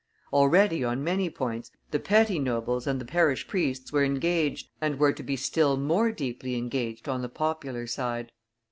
Already, on many points, the petty nobles and the parish priests were engaged and were to be still more deeply engaged on the popular side.